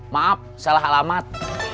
maaf salah alamat